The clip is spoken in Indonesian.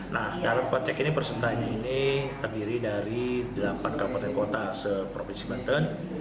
nah dalam konteks ini persertanya ini terdiri dari delapan kabupaten kota seprovinsi bantan